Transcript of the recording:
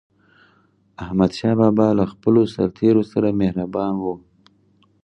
احمدشاه بابا به له خپلو سرتېرو سره مهربان و.